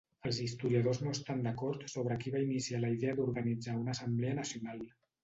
Els historiadors no estan d'acord sobre qui va iniciar la idea d'organitzar una assemblea nacional.